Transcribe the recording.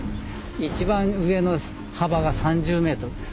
一番上の幅が３０ｍです。